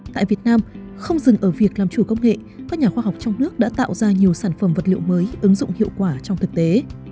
tại việt nam không dừng ở việc làm chủ công nghệ các nhà khoa học trong nước đã tạo ra nhiều sản phẩm vật liệu mới ứng dụng hiệu quả trong thực tế